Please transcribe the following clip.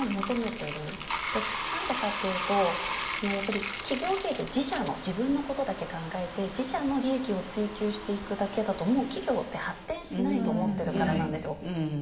何でかっていうとやっぱり企業経営って自社の自分のことだけ考えて自社の利益を追求していくだけだともう企業って発展しないと思ってるからなんですよ。